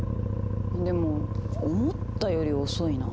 でも思ったより遅いな。